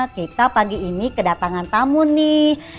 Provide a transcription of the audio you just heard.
kita pagi ini kedatangan tamu nih